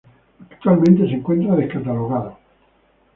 Actualmente se encuentra descatalogado.